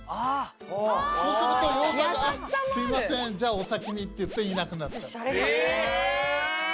そうすると妖怪は「すいませんお先に」って言っていなくなっちゃう。